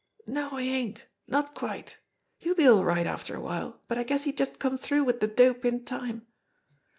"No, he ain't not quite. He'll be all right after a while, but I guess he just come through wid de dope in time.